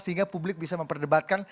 sehingga publik bisa memperdebatkan